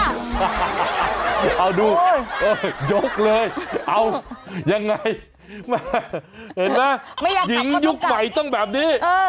เอาดูยกเลยเอายังไงแม่เห็นไหมหญิงยุคใหม่ต้องแบบนี้